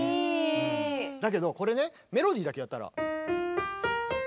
だけどこれねメロディーだけやったら。